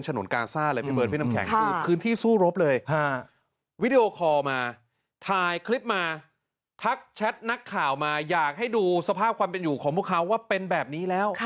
นนกาซ่าเลยพี่เบิร์ดพี่น้ำแข็งคือพื้นที่สู้รบเลยวิดีโอคอลมาถ่ายคลิปมาทักแชทนักข่าวมาอยากให้ดูสภาพความเป็นอยู่ของพวกเขาว่าเป็นแบบนี้แล้ว